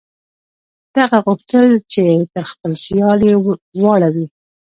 ده غوښتل چې تر خپل سیال یې واړوي.